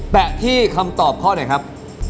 ที่คำตอบข้อไหนครับ